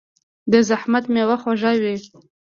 د زحمت میوه خوږه وي.